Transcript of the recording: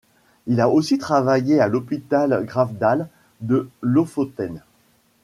Il a aussi travaillé à l'hopital Gravdal de Lofoten.